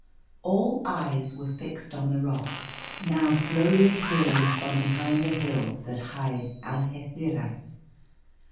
All eyes were fixed on the Rock, now slowly appearing from behind the hills that hide Algeciras.